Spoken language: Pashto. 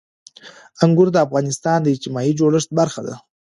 انګور د افغانستان د اجتماعي جوړښت برخه ده.